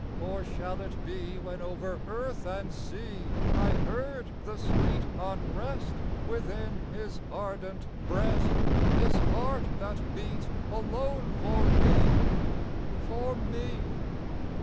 "Or shall it be when over earth and sea I heard the sweet unrest Within his ardent breast, His heart that beat alone for me, for me?